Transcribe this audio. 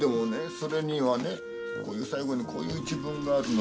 それにはねこういう最後にこういう一文があるの。